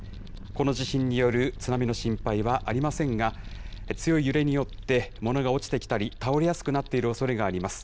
この地震による津波の心配はありませんが、強い揺れによって物が落ちてきたり、倒れやすくなっているおそれがあります。